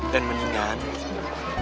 dan mendingan biarin raya nenangin diri dia dulu